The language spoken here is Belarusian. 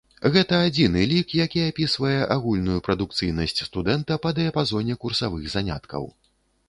Гэта адзіны лік, які апісвае агульную прадукцыйнасць студэнта па дыяпазоне курсавых заняткаў.